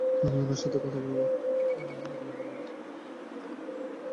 আমি উনার সাথে কথা বলবো।